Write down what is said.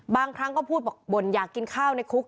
บางครั้งก็พูดบอกบ่นอยากกินข้าวในคุก